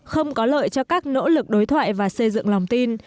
không có lợi cho các nỗ lực đối thoại và xây dựng lòng tin